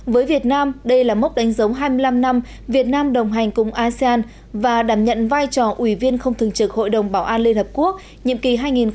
với việt nam đây là mốc đánh dấu hai mươi năm năm việt nam đồng hành cùng asean và đảm nhận vai trò ủy viên không thường trực hội đồng bảo an liên hợp quốc nhiệm kỳ hai nghìn hai mươi hai nghìn hai mươi một